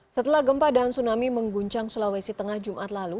setelah gempa dan tsunami mengguncang sulawesi tengah jumat lalu